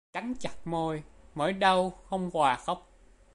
Cắn chặt môi, nỗi đau không òa khóc